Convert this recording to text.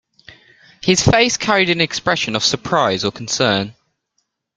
His face carried an expression of surprise or concern.